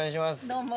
どうも。